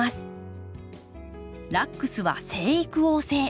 ラックスは生育旺盛。